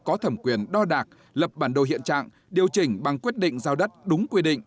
có thẩm quyền đo đạc lập bản đồ hiện trạng điều chỉnh bằng quyết định giao đất đúng quy định